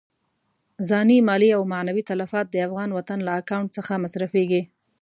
ځاني، مالي او معنوي تلفات د افغان وطن له اکاونټ څخه مصرفېږي.